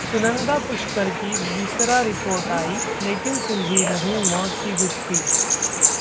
सुनंदा पुष्कर की viscera report आई, लेकिन सुलझी नहीं मौत की गुत्थी